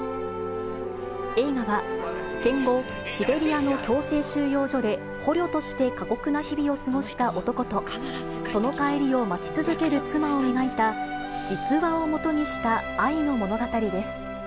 映画は戦後、シベリアの強制収容所で捕虜として過酷な日々を過ごした男と、その帰りを待ち続ける妻を描いた、実話を基にした愛の物語です。